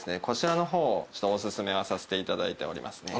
こちらの方をおすすめさせていただいてます。